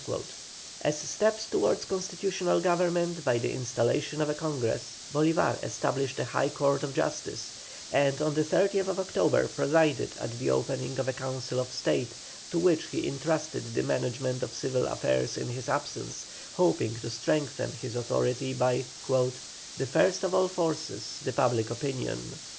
As steps towards constitutional government by the installation of a Congress Bolívar established a High Court of Justice, and on the 30th October presided at the opening of a Council of State to which he entrusted the management of civil affairs in his absence, hoping to strengthen his authority by "the first of all forces, public opinion."